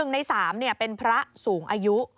ใน๓เป็นพระสูงอายุ